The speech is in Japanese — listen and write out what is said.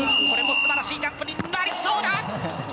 これもすばらしいジャンプになりそうだ！